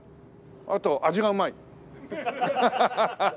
あと味がうまい。